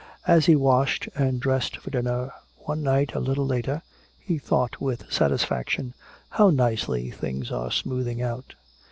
As he washed and dressed for dinner, one night a little later, he thought with satisfaction, "How nicely things are smoothing out."